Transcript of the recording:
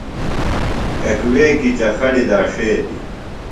ککویکیۡ چخَڑیۡ داݜیتیۡ۔